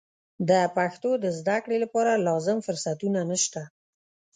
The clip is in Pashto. د پښتو د زده کړې لپاره لازم فرصتونه نشته.